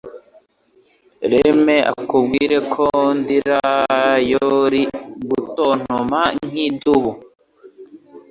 Lemme akubwire ko ndira yowl gutontoma nk'idubu